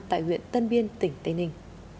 tại huyện tân biên tỉnh tây ninh